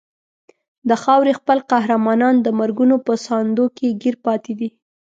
د خاورې خپل قهرمانان د مرګونو په ساندو کې ګیر پاتې دي.